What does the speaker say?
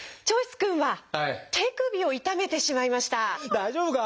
大丈夫か？